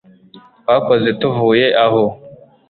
twakoze tuvuye aho